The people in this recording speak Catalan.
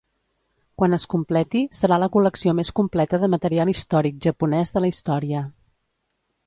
Quan es completi, serà la col·lecció més completa de material històric japonès de la història.